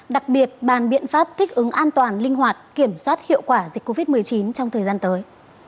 đặc biệt bàn biện pháp thích ứng an toàn linh hoạt kiểm soát hiệu quả dịch covid một mươi chín trong thời gian tới